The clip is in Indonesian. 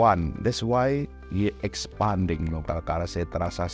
itulah mengapa kita mengekspor transaksi lokal